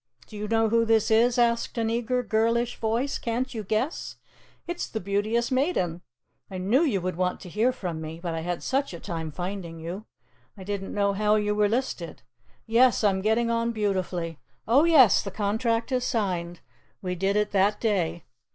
"Do you know who this is?" asked an eager girlish voice. "Can't you guess? It's the Beauteous Maiden. I knew you would want to hear from me, but I had such a time finding you! I didn't know how you were listed. Yes, I'm getting on beautifully. Oh, yes, the contract is signed. We did it that day.